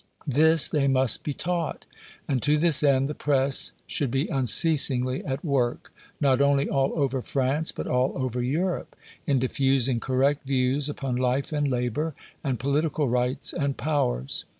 This they must be taught; and, to this end, the press should be unceasingly at work, not only all over France, but all over Europe, in diffusing correct views upon life and labor, and political rights and powers.